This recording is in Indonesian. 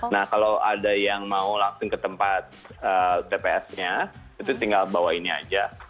nah kalau ada yang mau langsung ke tempat tps nya itu tinggal bawa ini aja